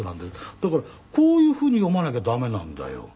「だからこういうふうに読まなきゃ駄目なんだよ」。